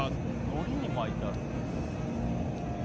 のりに巻いてあるよ